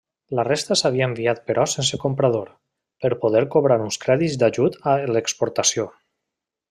La resta s'havia enviat però sense comprador, per poder cobrar uns crèdits d'ajut a l'exportació.